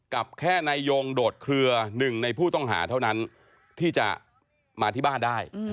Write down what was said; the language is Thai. กับแค่นายยงโดดเคลือหนึ่งในผู้ต้องหาเท่านั้นที่จะมาที่บ้านได้